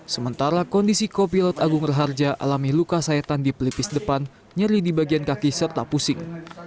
sementara kondisi kopilot agung raharja alami luka sayatan di pelipis depan nyeri di bagian kaki serta pusing